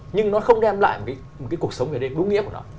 nhưng nó không đem lại một cái cuộc sống về đêm đúng nghĩa của nó